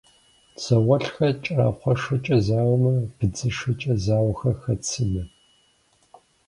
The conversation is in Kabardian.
Зауэлӏхэр кӏэрахъуэшэкӏэ зауэмэ, быдзышэкӏэ зауэхэр хэт сымэ?